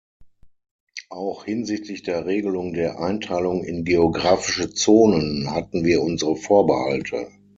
Auch hinsichtlich der Regelung der Einteilung in geografische Zonen hatten wir unsere Vorbehalte.